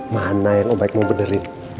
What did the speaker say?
mana yang baik membenerin